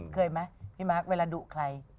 เคยปะพี่มา๊กเวลาดุใคร